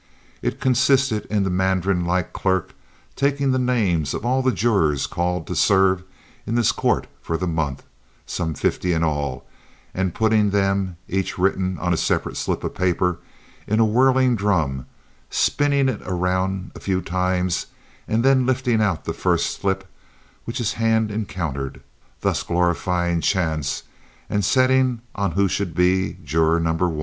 It consisted in the mandarin like clerk taking the names of all the jurors called to serve in this court for the month—some fifty in all—and putting them, each written on a separate slip of paper, in a whirling drum, spinning it around a few times, and then lifting out the first slip which his hand encountered, thus glorifying chance and settling on who should be juror No. 1.